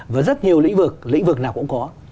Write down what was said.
và rất nhiều lĩnh vực lĩnh vực nào cũng có